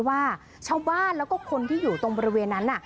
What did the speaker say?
ว่าชาวบ้านแล้วก็คนที่อยู่ตรงบริเวณนั้นน่ะ